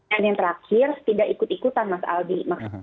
dan yang terakhir tidak ikut ikutan mas aldi